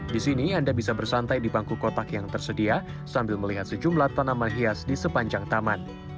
di sini anda bisa bersantai di bangku kotak yang tersedia sambil melihat sejumlah tanaman hias di sepanjang taman